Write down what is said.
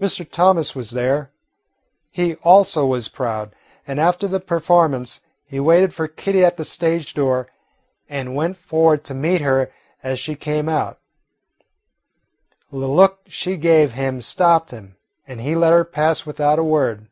Mr. Thomas was there. He also was proud, and after the performance he waited for Kitty at the stage door and went forward to meet her as she came out. The look she gave him stopped him, and he let her pass without a word.